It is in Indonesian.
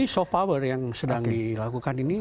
soft power yang sedang dilakukan ini